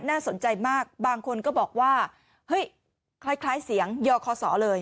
น่าสนใจมากบางคนก็บอกว่าเฮ้ยคล้ายเสียงยอคอสอเลย